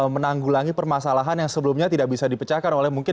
menanggulangi permasalahan yang sebelumnya tidak bisa dipecahkan oleh mungkin